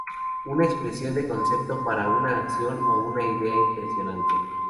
Una expression de concepto para una acción o una idea impresionante.